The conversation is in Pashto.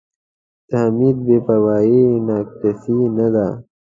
د حمید بې پروایي نا کسۍ نه ده.